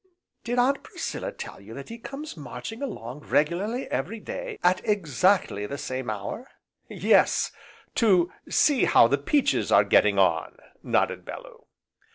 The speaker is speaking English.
"Did Aunt Priscilla tell you that he comes marching along regularly every day, at exactly the same hour?" "Yes, to see how the peaches are getting on!" nodded Bellew.